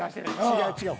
違う違う。